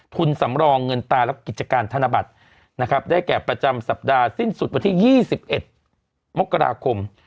สำรองเงินตารับกิจการธนบัตรนะครับได้แก่ประจำสัปดาห์สิ้นสุดวันที่๒๑มกราคม